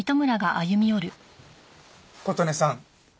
琴音さん。